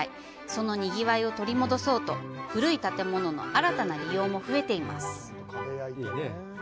そのにぎわいを取り戻そうと、古い建物の新たな利用も増えています。